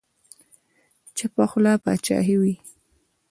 چپه خوله باچاهي وي.